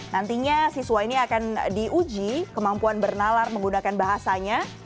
nantinya siswa ini akan diuji kemampuan bernalar menggunakan bahasanya